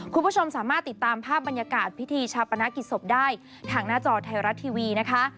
คุณผู้ชมสามารถติดตามภาพบรรยากาศพิธีชาปนกิจศพได้ทางหน้าจอไทยรัฐทีวีนะคะ